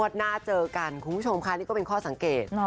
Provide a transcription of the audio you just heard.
หน้าเจอกันคุณผู้ชมค่ะนี่ก็เป็นข้อสังเกต